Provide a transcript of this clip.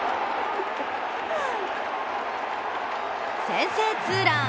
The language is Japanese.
先制ツーラン。